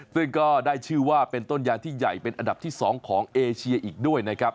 ซึ่งก็ได้ชื่อว่าเป็นต้นยางที่ใหญ่เป็นอันดับที่๒ของเอเชียอีกด้วยนะครับ